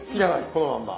このまんま。